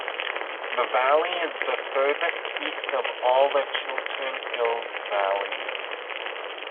The Valley is the furthest east of all the Chiltern Hills valleys.